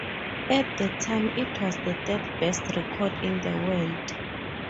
At the time, it was the third best record in the world.